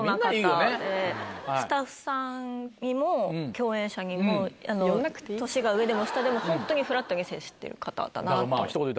スタッフさんにも共演者にも年が上でも下でもホントにフラットに接してる方だなと。